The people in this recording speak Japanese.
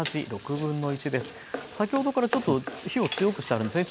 先ほどからちょっと火を強くしてあるんですね。